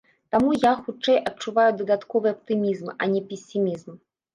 Таму я, хутчэй, адчуваю дадатковы аптымізм, а не песімізм.